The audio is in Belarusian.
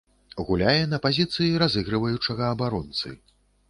Гуляе на пазіцыі разыгрываючага абаронцы.